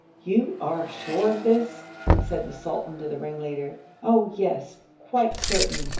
'You are sure of this?' said the sultan to the ringleader. 'Oh, yes! quite certain!'